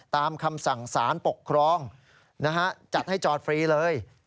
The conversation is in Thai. ตามคำสั่งสารปกครองจัดให้จอดฟรีเลย